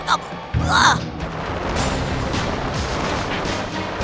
kamu harus dihukum